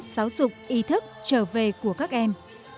giáo dục ý thức trở về của các em